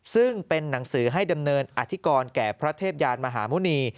ซึ่งเป็นหนังสือให้ดำเนินอธิกรแก่พระเทพยานมหาหมุณี